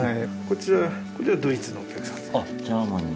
こちらこれはドイツのお客様ですね。